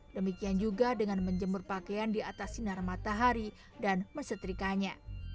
demikian juga dengan menjemur pakaian di atas sinar matahari dan mesetrikanya